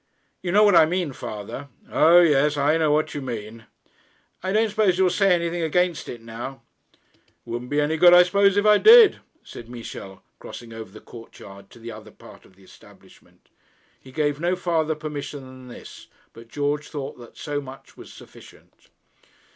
'You know what I mean, father.' 'O yes; I know what you mean.' 'I don't suppose you'll say anything against it now.' 'It wouldn't be any good, I suppose, if I did,' said Michel, crossing over the courtyard to the other part of the establishment. He gave no farther permission than this, but George thought that so much was sufficient.